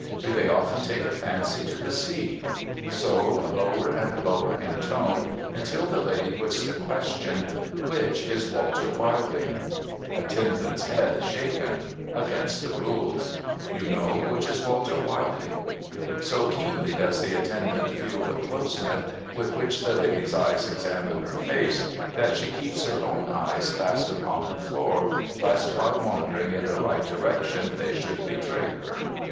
Do they often take a fancy to the sea? So, lower and lower in tone until the lady puts the question :' Which is Walter Wilding ?' Attendant's head shaken. Against the rules. ' You know which is Walter ^^'ilding ?' THE VEILED LADY AMONG THE VISITORS 475 So keenly does the attendant feel the closeness with which the lady's eyes examine her face, that she keeps her own eyes fast upon the floor, lest by wandering in the right direction they should betray her.